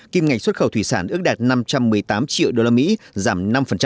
kim ngạch xuất khẩu thủy sản ước đạt năm trăm một mươi tám triệu đô la mỹ giảm năm